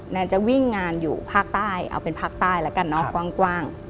แนนจะวิ่งงานอยู่ภาคใต้เอาเป็นภาคใต้แล้วกันเนาะกว้าง